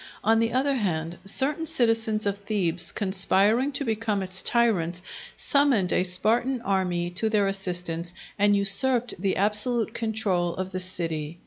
On the other hand, certain citizens of Thebes conspiring to become its tyrants, summoned a Spartan army to their assistance, and usurped the absolute control of the city.